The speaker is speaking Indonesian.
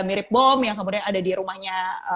mirip bom yang kemudian ada di rumahnya